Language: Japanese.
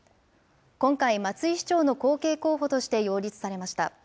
今回、松井市長の後継候補として擁立されました。